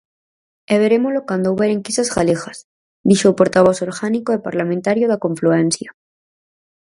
E verémolo cando houber enquisas galegas, dixo o portavoz orgánico e parlamentario da confluencia.